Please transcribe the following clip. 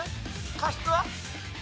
加湿は？